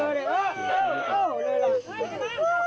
เห็นแล้วเห็นแล้ว